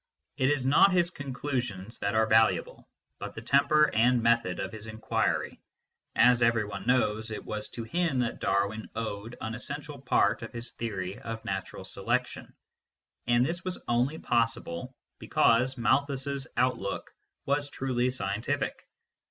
It is not his conclusions that are valuable, but the temper and method of his inquiry As everyone knows, it was to him that Darwin owed ar essential part of his theory of natural selection, ana this was only possible because Malthus s outlook was truly scientific.